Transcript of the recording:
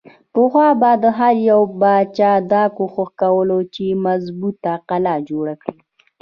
پخوا به هر يو باچا دا کوښښ کولو چې مضبوطه قلا جوړه کړي۔